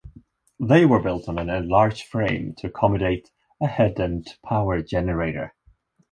They were built on an enlarged frame to accommodate a head-end power generator.